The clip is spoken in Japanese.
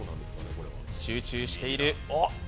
集中している。